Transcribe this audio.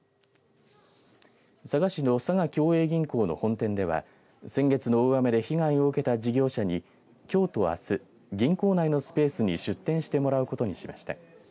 佐賀市の佐賀共栄銀行の本店では先月の大雨で被害を受けた事業者にきょうとあす銀行内のスペースに出店してもらうことにしました。